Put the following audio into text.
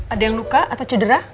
ada yang luka atau cedera